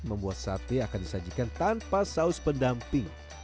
membuat sate akan disajikan tanpa saus pendamping